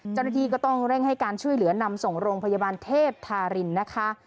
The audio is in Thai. เจ้าหน้าที่ก็ต้องเร่งให้การช่วยเหลือนำส่งโรงพยาบาลเทพธารินนะคะ